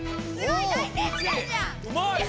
うまい！